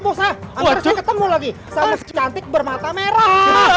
berhenti bermata merah